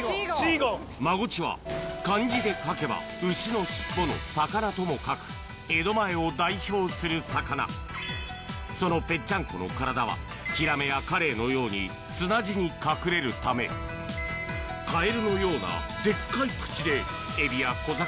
マゴチは漢字で書けば「牛の尻尾の魚」とも書く江戸前を代表する魚そのぺっちゃんこの体はヒラメやカレイのように砂地に隠れるためカエルのようなデッカい口でエビや小魚